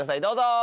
どうぞ。